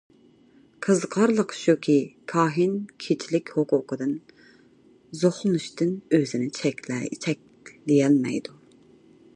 قىزىقارلىقى شۇكى، كاھىن كېچىلىك ھوقۇقىدىن زوقلىنىشتىن ئۆزىنى چەكلىيەلمەيدۇ.